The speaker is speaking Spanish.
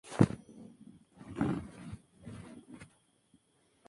Estas características lo hacen un recinto de fácil acceso y evacuación.